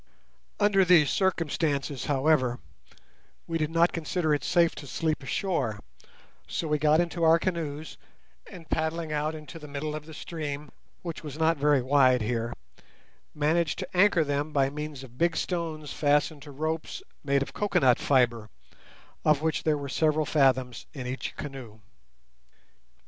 Under these circumstances, however, we did not consider it safe to sleep ashore, so we got into our canoes, and, paddling out into the middle of the stream, which was not very wide here, managed to anchor them by means of big stones fastened to ropes made of coconut fibre, of which there were several fathoms in each canoe.